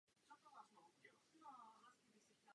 Vrcholově se připravuje v Kolíně nad Rýnem.